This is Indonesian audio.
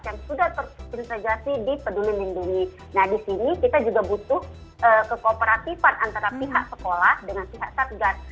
nah di sini kita juga butuh kekooperatifan antara pihak sekolah dengan pihak satgas